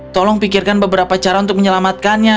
tolong pikirkan beberapa cara untuk menyelamatkannya